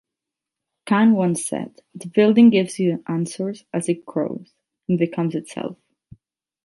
Kahn once said, the building gives you answers as it grows and becomes itself.